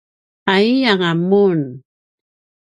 ’aiyanga mun?